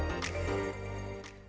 pager gunung campsite